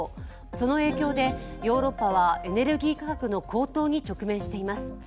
その影響でヨーロッパはエネルギー価格の高騰に直面しています。